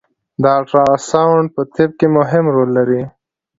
الټراساونډ په طب کی مهم رول لوبوي